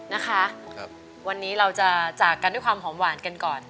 นะคะวันนี้เราจะจากกันด้วยความหอมหวานกันก่อน